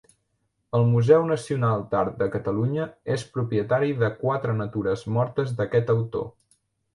El Museu Nacional d'Art de Catalunya és propietari de quatre natures mortes d'aquest autor.